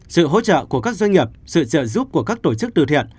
sự hỗ trợ của các doanh nghiệp sự trợ giúp của các tổ chức từ thiện